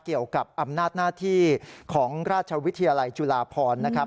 เกี่ยวกับอำนาจหน้าที่ของราชวิทยาลัยจุฬาพรนะครับ